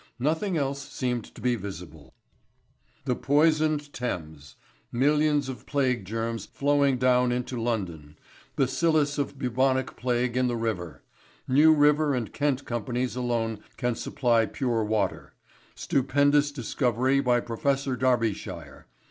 Nothing else seemed to be visible: THE POISONED THAMES Millions of plague germs flowing down into London. Bacillus of bubonic plague in the river. New River and Kent Companies alone can supply pure water. Stupendous discovery by Professor Darbyshire.